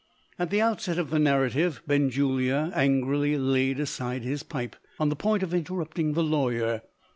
At the outset of the narrative, Benjulia angrily laid aside his pipe, on the point of interrupting the lawyer.